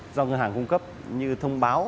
do ngân hàng cung cấp như thông báo